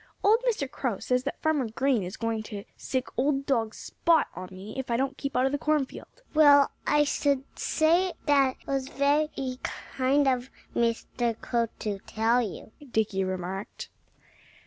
"Old Mr. Crow says that Farmer Green is going to sick old dog Spot on me if I don't keep out of the cornfield." "Well, I should say it was very kind of Mr. Crow to tell you," Dickie remarked.